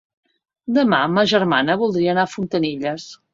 Demà ma germana voldria anar a Fontanilles.